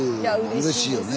うれしいよね。